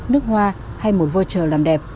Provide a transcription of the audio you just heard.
nước hoa hay một voucher làm đẹp